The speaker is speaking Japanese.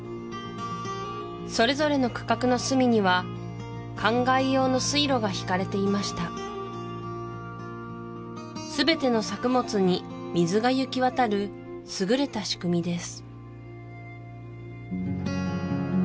それぞれの区画の隅には灌漑用の水路が引かれていましたすべての作物に水が行き渡る優れた仕組みです